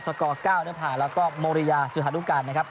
สกอร์๙แล้วก็โมริยาสุธารุกาลนะครับ